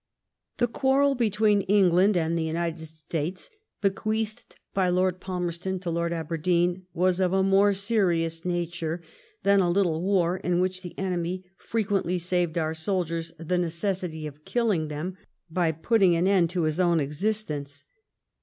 The quarrel between England and the United States bequeathed by Lord Palmerston to Lord Aberdeen was of a more serious nature than a little war in which the enemy frequently saved our soldiers the necessity of killing him by putting an end to his own existence.